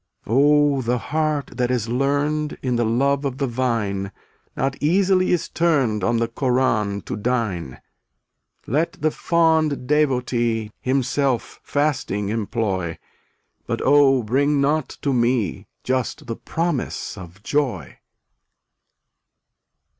278 Oh, the heart that is learned In the love of the vine Not easily is turned On the Koran to dine. Let the fond devotee Himself fasting employ, But oh bring not to me Just the promise of joy.